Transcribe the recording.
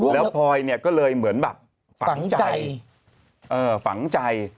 แล้วพลอยเนี่ยก็เลยเหมือนแบบฝังใจฝังใจ